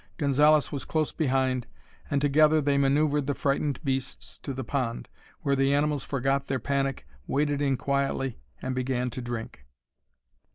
Gonzalez was close behind, and together they manoeuvred the frightened beasts to the pond, where the animals forgot their panic, waded in quietly, and began to drink.